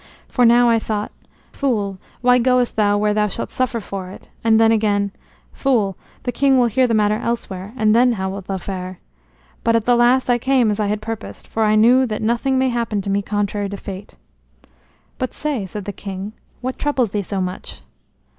For now I thought, 'Fool, why goest thou where thou shalt suffer for it'; and then, again, 'Fool, the king will hear the matter elsewhere, and then how wilt thou fare?' But at the last I came as I had purposed, for I know that nothing may happen to me contrary to fate." "But say," said the king, "what troubles thee so much?"